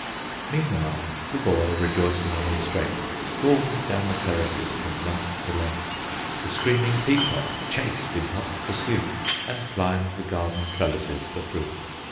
Meanwhile the boy, rejoicing in his strength, Stormed down the terraces from length to length; The screaming peacock chased in hot pursuit, And climbed the garden trellises for fruit.